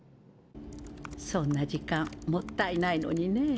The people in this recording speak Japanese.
そんな時間もったいないのにねぇ。